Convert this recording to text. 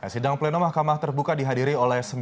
sidang pleno mahkamah terbuka dihadiri oleh